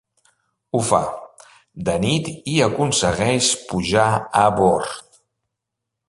Ho fa, de nit i aconsegueix pujar a bord.